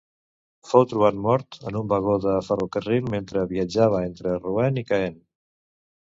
Fou trobat mort en un vagó de ferrocarril mentre viatjava entre Rouen i Caen.